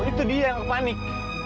itu dia yang kepanik